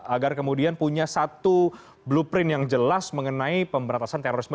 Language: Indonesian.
agar kemudian punya satu blueprint yang jelas mengenai pemberantasan terorisme